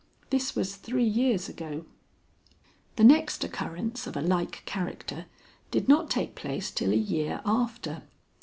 This was three years ago. "The next occurrence of a like character did not take place till a year after.